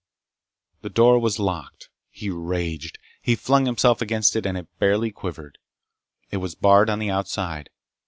The door was locked. He raged. He flung himself against it and it barely quivered. It was barred on the outside.